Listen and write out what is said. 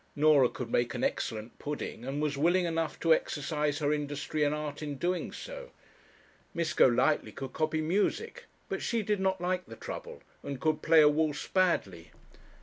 Norah could make an excellent pudding, and was willing enough to exercise her industry and art in doing so; Miss Golightly could copy music, but she did not like the trouble; and could play a waltz badly.